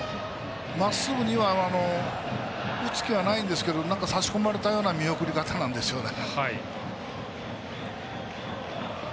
まっすぐには打つ気はないんですけど差し込まれたような見送り方なんですよね。